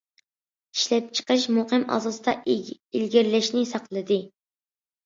ئىشلەپچىقىرىش مۇقىم ئاساستا ئىلگىرىلەشنى ساقلىدى.